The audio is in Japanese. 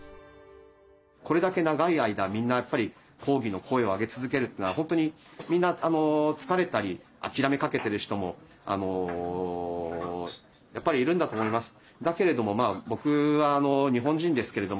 これだけ長い間みんなやっぱり抗議の声を上げ続けるというのは本当にみんな疲れたり諦めかけてる人もやっぱりいるんだと思います。